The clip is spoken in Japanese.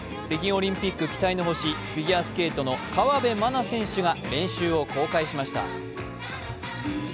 北京オリンピック期待の星フィギュアスケートの河辺愛菜選手が練習を公開しました。